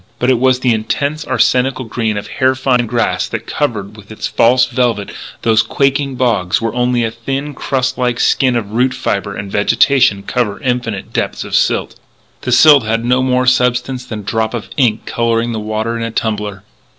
But it was the intense, arsenical green of hair fine grass that covers with its false velvet those quaking bogs where only a thin, crust like skin of root fibre and vegetation cover infinite depths of silt. The silt had no more substance than a drop of ink colouring the water in a tumbler.